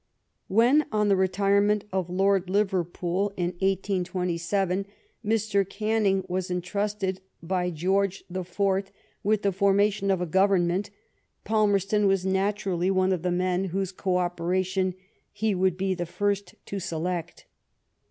When, on the retirement of Lord Liverpool in 1827, 22 LIFE OF VISCOUNT PALMEBSTON. Mr. Oanning was entraeted by George IV. with the formation of a Government, Palmerston was naturally one of the men whose co operation he would be the first to select.